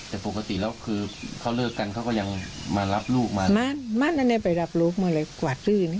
แต่ปกติแล้วคือเขาเลิกกันเขาก็ยังมารับลูกมามันไม่ได้ไปรับลูกมาเลยกวาดลื่น